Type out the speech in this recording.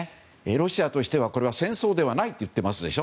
ロシアとしては戦争ではないと言っていますでしょ？